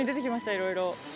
いろいろ。